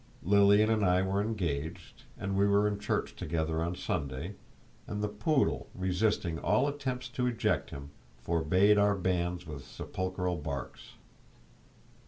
... Lilian and I were engaged, and we were in church together on Sunday, and the poodle, resisting all attempts to eject him, forbade our banns with sepulchral barks.